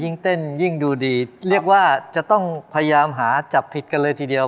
เต้นยิ่งดูดีเรียกว่าจะต้องพยายามหาจับผิดกันเลยทีเดียว